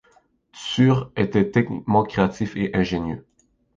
Tuur était techniquement créatif et ingénieux.